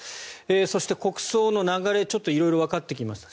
そして、国葬の流れ色々わかってきました。